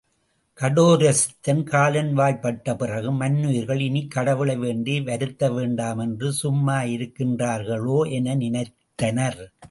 கடோரசித்தன் காலன்வாய்ப்பட்ட பிறகு மன்னுயிர்கள் இனிக்கடவுளை வேண்டி வருத்தவேண்டாம் என்று சும்மா இருக்கின்றார்களோ? என நினைத்தனர்.